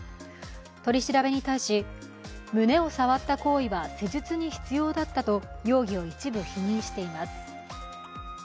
取り調べに対し、胸を触った行為は施術に必要だったと容疑を一部否認しています。